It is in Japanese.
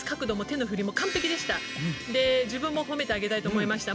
自分も褒めてあげたいと思いました。